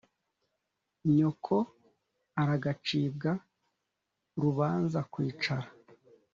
nyoko aragacibwa « rubanza-kwicara »